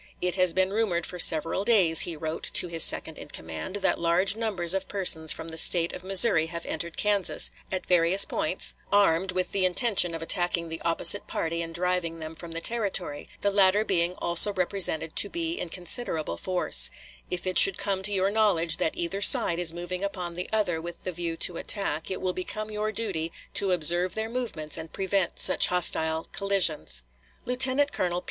"It has been rumored for several days," he wrote to his second in command, "that large numbers of persons from the State of Missouri have entered Kansas, at various points, armed, with the intention of attacking the opposite party and driving them from the Territory, the latter being also represented to be in considerable force. If it should come to your knowledge that either side is moving upon the other with the view to attack, it will become your duty to observe their movements and prevent such hostile collisions." Woodson to Cooke, Sept. 1, 1856. Senate Ex. Doc., 3d Sess. 34th Cong. Vol. III., pp. 90, 91. Cooke to Woodson, Sept. 1, 1856.